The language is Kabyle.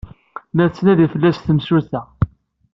La tettnadi fell-as temsulta.